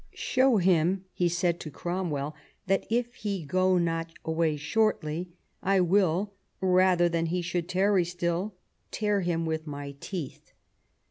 " Show him," he said to Cromwell, " that if he go not away shortly, I will, rather than he should tarry still, tear him with my teeth."